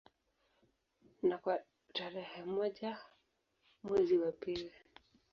Na kwa tarehe moja mwezi wa pili